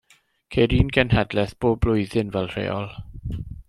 Ceir un genhedlaeth pob blwyddyn, fel rheol.